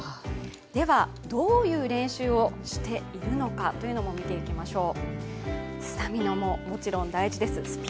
では、どういう練習をしているのかというのも見ていきましょう。